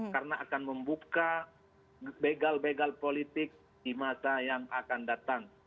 karena akan membuka begal begal politik di masa yang akan datang